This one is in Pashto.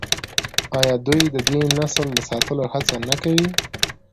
آیا دوی د دې نسل د ساتلو هڅه نه کوي؟